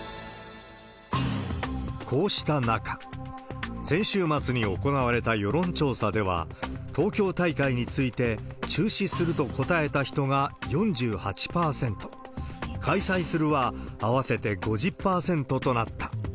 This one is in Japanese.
こうした中、先週末に行われた世論調査では、東京大会について、中止すると答えた人が４８％。開催するは合わせて５０％となった。